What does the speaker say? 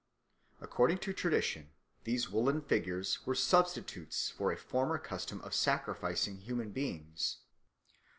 According to tradition, these woollen figures were substitutes for a former custom of sacrificing human beings.